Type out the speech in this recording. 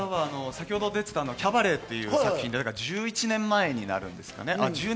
先ほどでていた『キャバレー』という作品、１０年前になりますかね。